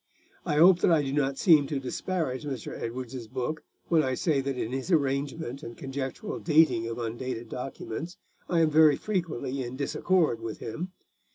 I hope that I do not seem to disparage Mr. Edwards's book when I say that in his arrangement and conjectural dating of undated documents I am very frequently in disaccord with him.